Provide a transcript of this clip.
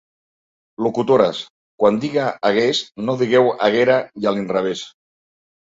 Locutores, quan diga 'hagués' no digueu 'haguera', i a l'inrevès.